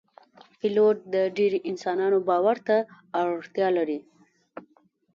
پیلوټ د ډیرو انسانانو باور ته اړتیا لري.